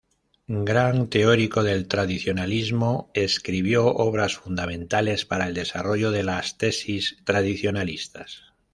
Gran teórico del tradicionalismo, escribió obras fundamentales para el desarrollo de las tesis tradicionalistas.